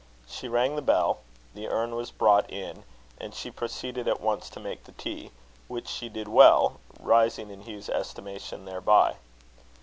She rang the bell; the urn was brought in; and she proceeded at once to make the tea; which she did well, rising in Hugh's estimation thereby.